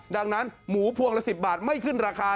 ดังนั้นหมูพวงละ๑๐บาทไม่ขึ้นราคา